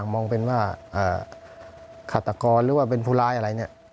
มองเป็นว่าฆาตกรหรือว่าเป็นผู้ร้ายอะไรเนี่ย